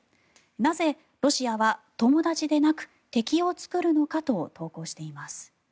なぜロシアは友達でなく敵を作るのかと投稿しています。